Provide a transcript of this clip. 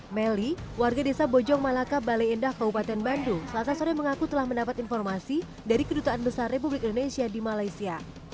melly warga desa bojong malaka bale endah kabupaten bandung selasa sore mengaku telah mendapat informasi dari kedutaan besar republik indonesia di malaysia